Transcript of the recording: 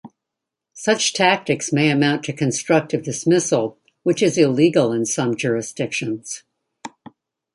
Such tactics may amount to constructive dismissal, which is illegal in some jurisdictions.